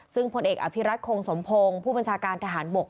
ซึ่งผลเอกอภิรัตคงสมพงศ์ผู้บัญชาการทหารบก